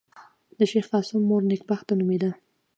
د شېخ قاسم مور نېکبخته نومېده.